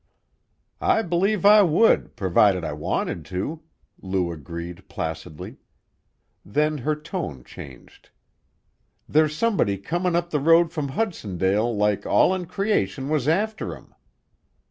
"I b'lieve I would, provided I wanted to," Lou agreed placidly. Then her tone changed. "There's somebody comin' up the road from Hudsondale like all in creation was after 'em."